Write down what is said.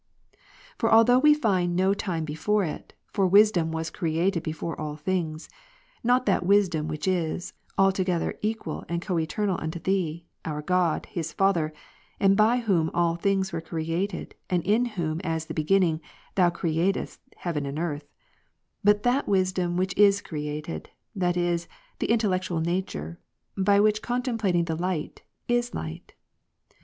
20. For although we find no time before it, for ivisdoni Eccii. ... 1 4 was created before all things ; not that Wisdom which is '\' altogether equal and coeternal unto Thee, our God, His Fa ' ther, and by Whom all things were created, and in Whom, as the Beginning, Thou createdst heaven and earth ; but that wisdom which is created, that is, the ^ intellectual nature, which by contemplating the light, is light.